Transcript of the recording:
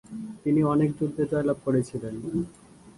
তিনি অনেক যুদ্ধে জয়লাভ করেছিলেন।